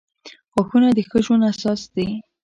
• غاښونه د ښه ژوند اساس دي.